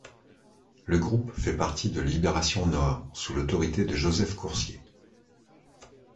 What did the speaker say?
Le groupe fait partie de Libération-Nord, sous l'autorité de Joseph Courcier.